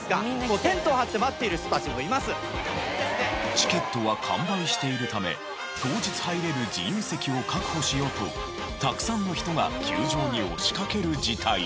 チケットは完売しているため当日入れる自由席を確保しようとたくさんの人が球場に押しかける事態に。